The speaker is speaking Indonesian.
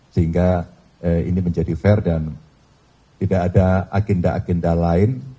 sehingga ini menjadi fair dan tidak ada agenda agenda lain